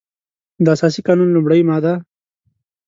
د اساسي قانون لمړۍ ماده